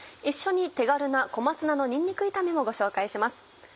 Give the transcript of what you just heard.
一緒に手軽な「小松菜のにんにく炒め」もご紹介します。